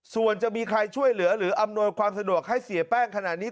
ส่วนจะมีใครช่วยเหลือหรืออำนวยความสะดวกให้เสียแป้งขนาดนี้